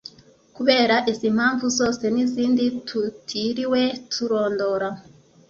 Kubera izi mpamvu zose n’izindi tutiriwe turondora